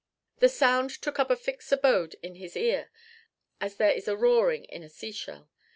The sound took up a fixed abode in his ear as there is a roaring in a seashell.